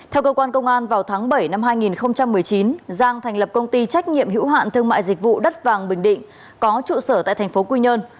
theo cơ quan công an vào tháng bảy năm hai nghìn một mươi chín giang thành lập công ty trách nhiệm hữu hạn thương mại dịch vụ đất vàng bình định có trụ sở tại thành phố quy nhơn